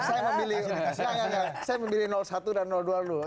nggak nggak saya memilih satu dan dua dulu